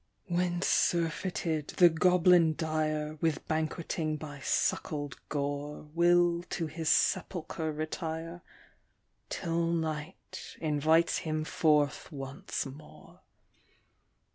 " When surfeited, the goblin dire, With banqueting by suckled gore, Will to his sepulchre retire, Till night invites him forth once more.